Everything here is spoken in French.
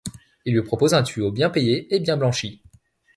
Il lui propose un tuyau bien payé et bien blanchi.